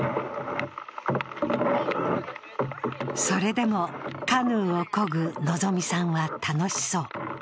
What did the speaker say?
それでもカヌーをこぐ希さんは楽しそう。